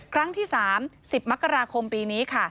ครั้งที่๓๐มกราคมปีนี้ค่ะ